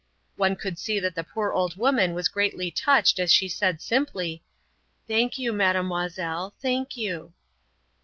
One could see that the poor old woman was greatly touched as she said simply: "Thank you, mademoiselle, thank you."